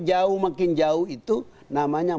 jauh makin jauh itu namanya